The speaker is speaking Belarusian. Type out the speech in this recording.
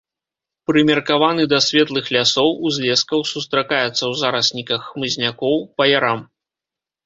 Прымеркаваны да светлых лясоў, узлескаў, сустракаецца ў зарасніках хмызнякоў, па ярам.